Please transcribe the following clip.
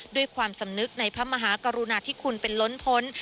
ด้วยความสำนึกในพระมหากรุณาธิคุณเป็นล้นพ้น